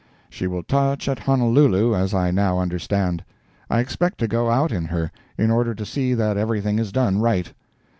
She will touch at Honolulu, as I now understand. I expect to go out in her, in order to see that everything is done right.